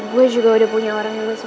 gue juga udah punya orang yang gue suka kok